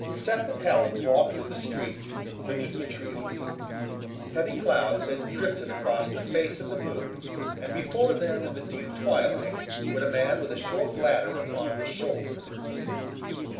Seth and Helen walked through the streets beneath the trees. Heavy clouds had drifted across the face of the moon, and before them in the deep twilight went a man with a short ladder upon his shoulder.